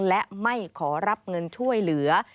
และไม่ขอรับเงินช่วยเหลือ